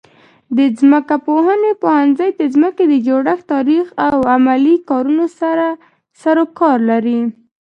د ځمکپوهنې پوهنځی د ځمکې د جوړښت، تاریخ او عملي کارونو سره سروکار لري.